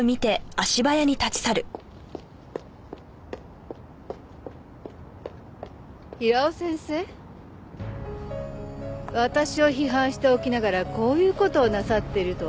私を批判しておきながらこういう事をなさっているとは。